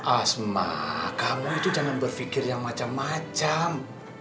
asma kami itu jangan berpikir yang macam macam